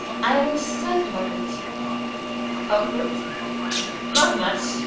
I am certain of it." "Comfort not much.